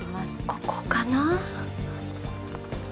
ここかな？